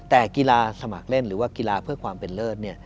แต่กีฬาสมัครเล่นหรือว่ากีฬาเพื่อความเป็นเลิศ